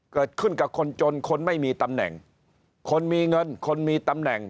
เกิดขึ้นกับคนจนคนไม่มีตำแหน่งคนมีเงินคนมีตำแหน่ง